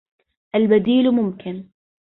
البديل ممكن.